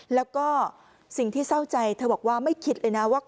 และก็สิ่งที่เศร้าใจไม่คิดเลยนะ